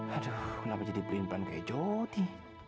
aduh kenapa jadi perimpan kayak joti